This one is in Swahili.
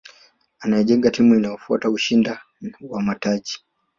anajenga timu inayotafuta ushinda wa mataji